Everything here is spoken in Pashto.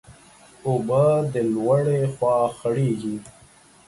اوبه د لوړي خوا خړېږي.